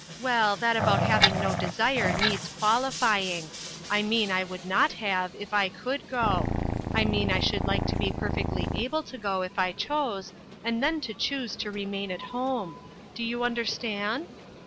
Well, that about having no desire, needs qualifying. I mean I would not have, if I could go ; I mean I should like to be perfectly able to go if I chose, and then to choose to remain at home. Do you understand